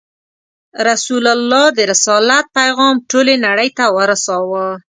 رسول الله د رسالت پیغام ټولې نړۍ ته ورساوه.